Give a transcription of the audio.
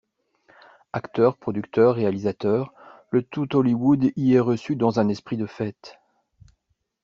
Acteurs, producteurs, réalisateurs, le tout Hollywood y est reçu dans un esprit de fête.